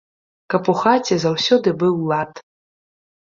Каб у хаце заўсёды быў лад!